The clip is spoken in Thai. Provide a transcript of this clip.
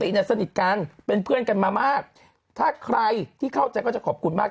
เนี่ยสนิทกันเป็นเพื่อนกันมามากถ้าใครที่เข้าใจก็จะขอบคุณมาก